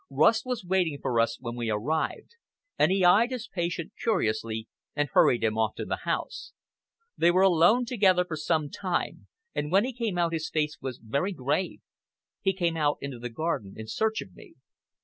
Rust was waiting for us when we arrived, and he eyed his patient curiously, and hurried him off to the house. They were alone together for some time, and when he came out his face was very grave. He came out into the garden in search of me!